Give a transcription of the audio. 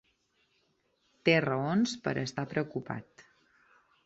Té raons per a estar preocupat.